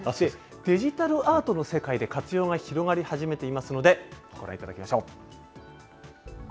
デジタルアートの世界で活用が広がり始めていますので、ご覧いただきましょう。